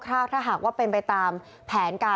ถ้าหากว่าเป็นไปตามแผนการ